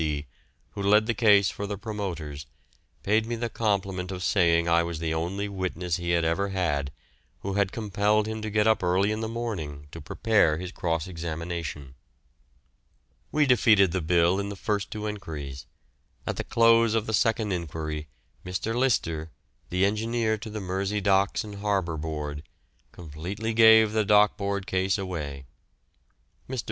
C., who led the case for the promoters, paid me the compliment of saying I was the only witness he had ever had who had compelled him to get up early in the morning to prepare his cross examination. We defeated the bill in the first two enquiries. At the close of the second enquiry Mr. Lyster, the engineer to the Mersey Docks and Harbour Board, completely gave the Dock Board case away. Mr.